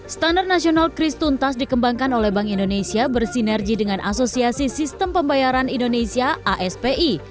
standar nasional kris tuntas dikembangkan oleh bank indonesia bersinergi dengan asosiasi sistem pembayaran indonesia aspi